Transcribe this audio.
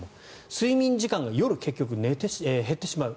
睡眠時間が夜、結局、減ってしまう。